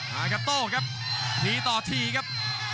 และกับโตครับหลีต่อทีครับ